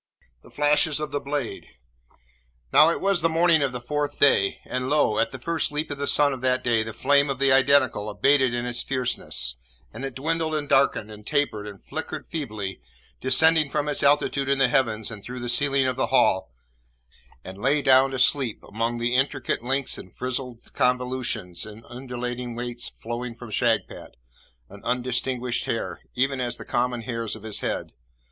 THE FLASHES OF THE BLADE Now, it was the morning of the fourth day, and lo! at the first leap of the sun of that day the flame of the Identical abated in its fierceness, and it dwindled and darkened, and tapered and flickered feebly, descending from its altitude in the heavens and through the ceiling of the Hall, and lay down to sleep among the intricate lengths and frizzled convolutions and undulating weights flowing from Shagpat, an undistinguished hair, even as the common hairs of his head.